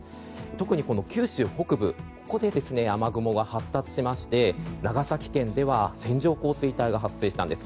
特に九州北部で雨雲が発達しまして長崎県では線状降水帯が発生したんです。